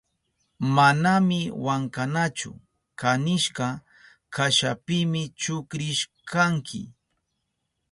Manami wankanachu kanishka kashapimi chukrishkanki.